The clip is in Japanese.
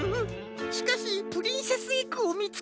しかしプリンセスエッグをみつけませんと。